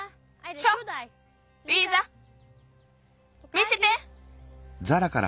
見せて！